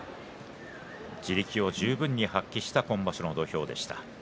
地力を十分に発揮した今場所の土俵です。